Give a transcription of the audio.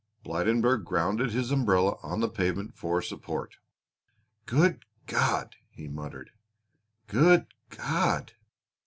Blydenburg grounded his umbrella on the pavement for support. "Good God!" he muttered. "Good God!"